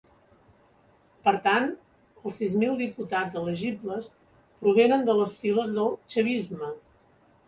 Per tant, els sis mil diputats elegibles provenen de les files del ‘chavisme’.